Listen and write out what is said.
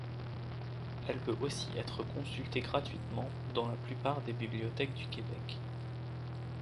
Elle peut aussi être consultée gratuitement dans la plupart des bibliothèques du Québec.